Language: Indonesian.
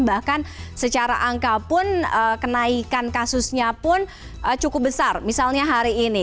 bahkan secara angka pun kenaikan kasusnya pun cukup besar misalnya hari ini